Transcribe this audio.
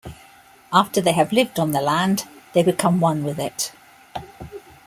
After they have lived on the land, they become one with it.